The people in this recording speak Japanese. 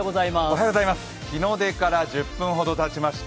日の出から１０分ほどたちました。